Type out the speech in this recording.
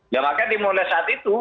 nah makanya dimulai saat itu